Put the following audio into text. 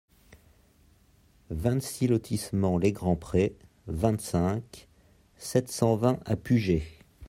vingt-six lotissement les Grands Prés, vingt-cinq, sept cent vingt à Pugey